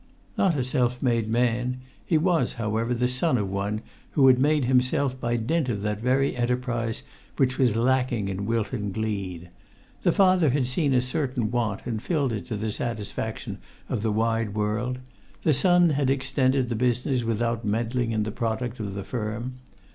Not a self made man, he was, however, the son of one who had made himself by dint of that very enterprise which was lacking in Wilton Gleed. The father had seen a certain want and filled it to the satisfaction of the wide world; the son had extended the business without meddling with the product of the firm.